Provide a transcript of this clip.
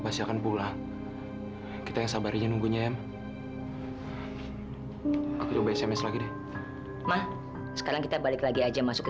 pasti akan pulang kita yang sabarnya nunggunya ya aku coba sms lagi deh mah sekarang kita balik lagi aja masuk ke